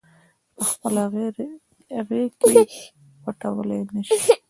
پخپله غیږ کې پټولای نه شي